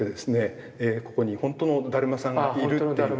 ここにほんとのだるまさんがいるっていう。